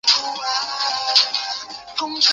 威斯维克亦是车路士的支持者。